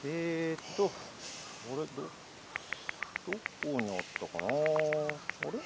どこにあったかなあれ？